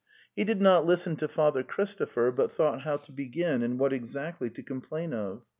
He did not listen to Father Christopher, but thought how to begin and what exactly to complain of.